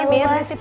eh biar nasib ya